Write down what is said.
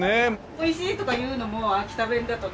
美味しいとか言うのも秋田弁だとね。